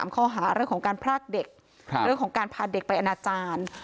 ข้อหาเรื่องของการพรากเด็กเรื่องของการพาเด็กไปอนาจารย์